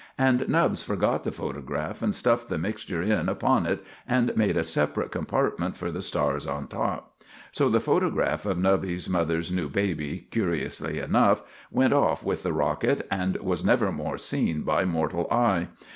And Nubbs forgot the photograph and stuffed the mixture in upon it, and made a separate compartment for the stars on top. So the photograph of Nubby's mother's new baby, curiously enough, went off with the rocket, and was never more seen by mortal eye.